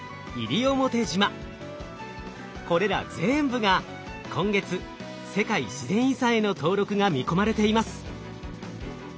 これら全部が今月世界自然遺産への登録が見込まれています。